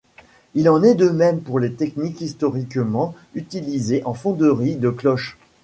Il en est de même pour les techniques historiquement utilisées en fonderie de cloches.